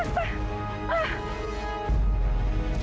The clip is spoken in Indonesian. sini juga kian santang nek